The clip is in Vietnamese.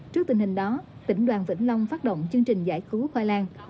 trước tình hình đó tỉnh đoàn vĩnh long phát động chương trình giải cứu khoai lang